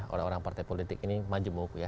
orang orang partai politik ini majemuk ya